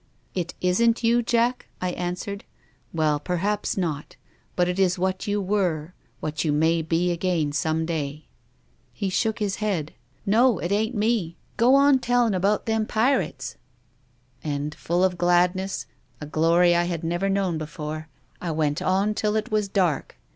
"' It isn't you, Jack ?' I answered. ' Well, per haps not. But it is what you were, what you may be again some day.' "He shook his head. "' No, it ain't me. Go on tellin* about them pirits.' " And, full of gladness, a glory I had never known before, I went on till it was dark.